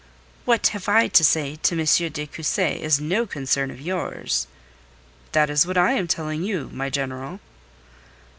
"What I may have to say to M. de Cussy is no concern of yours." "That is what I am telling you, my General."